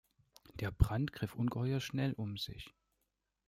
Der Brand griff ungeheuer schnell um sich.